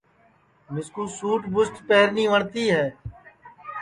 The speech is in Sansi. مِسکُو سُٹ پنٚٹ پہرنی وٹؔتی ہے